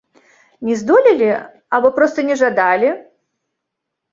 Не здолелі альбо проста не жадалі?